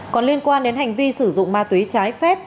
còn liên quan đến hành vi sử dụng ma túy trái phép